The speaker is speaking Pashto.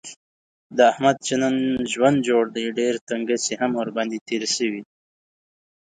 د احمد چې نن ژوند جوړ دی، ډېر تنګڅۍ هم ورباندې تېرې شوي دي.